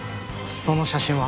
その写真は？